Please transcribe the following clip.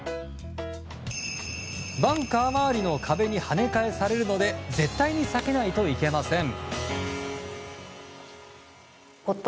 バンカー周りの壁に跳ね返されるので絶対に避けないといけません。